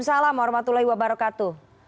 waalaikumsalam warahmatullahi wabarakatuh